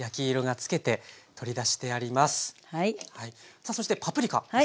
さあそしてパプリカですね。